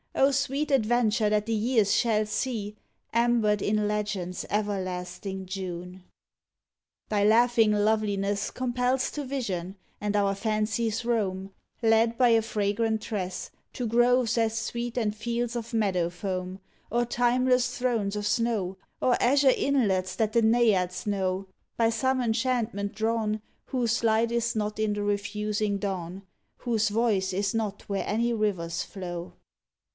O sweet adventure that the years shall see, Ambered in legend s everlasting June! Thy laughing loveliness Compels to vision, and our fancies roam, Led by a fragrant tress, To groves as sweet and fields of meadow foam, Or timeless thrones of snow, Or azure inlets that the naiads know By some enchantment drawn Whose light is not in the refusing dawn, Whose voice is not where any rivers flow.